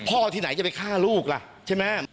ที่ไหนจะไปฆ่าลูกล่ะใช่ไหม